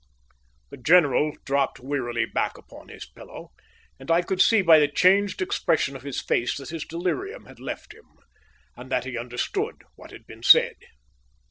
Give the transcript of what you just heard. The general dropped wearily back upon his pillow, and I could see by the changed expression of his face that his delirium had left him, and that he understood what had been said.